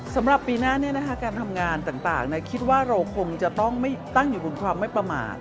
สำหรับปีหน้าการทำงานต่างคิดว่าเราคงจะต้องตั้งอยู่บนความไม่ประมาท